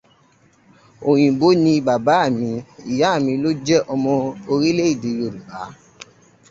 Òyìnbó ni bàbá mi, ìyá mi ló jẹ́ ọmọ orílẹ̀ èdè Yorùbá.